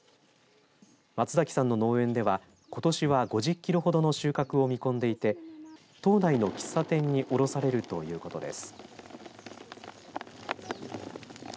松崎さんの農園ではことしは５０キロほどの収穫を見込んでいて島内の喫茶店に卸されるということです。